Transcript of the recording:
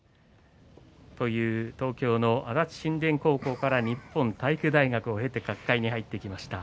東京の足立新田高校から日本体育大学を出て角界に入ってきました。